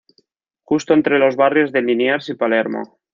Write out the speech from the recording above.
Justo entre los barrios de Liniers y Palermo.